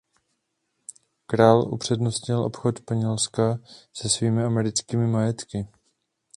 Král upřednostnil obchod Španělska se svými americkými majetky.